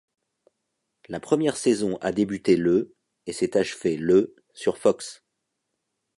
La première saison a débuté le et s'est achevée le sur Fox.